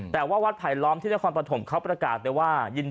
แต่ว่าวัดไผลล้อมที่นครปฐมเขาประกาศไปว่า